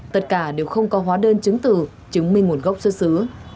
tất cả đều không có hóa đơn chứng từ chứng minh nguồn gốc xuất xứ